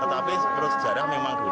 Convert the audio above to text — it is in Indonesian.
tetapi perusahaan sejarah memang dulu